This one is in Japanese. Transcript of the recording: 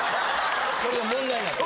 それが問題になってる。